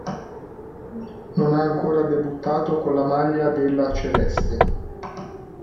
Non ha ancora debuttato con la maglia della "Celeste".